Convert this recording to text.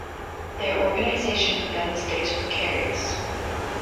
Their organization then stays precarious.